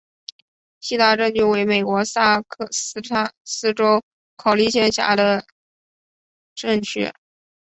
锡达镇区为美国堪萨斯州考利县辖下的镇区。